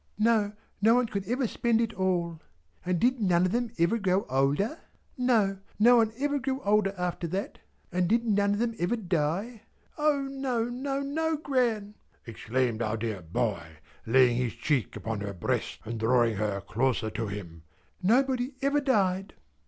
"No! Nobody could ever spend it all." "And did none of them ever grow older?" "No! Nobody ever grew older after that." "And did none of them ever die?" "O, no, no, no, Gran!" exclaimed our dear boy, laying his cheek upon her breast, and drawing her closer to him. "Nobody ever died."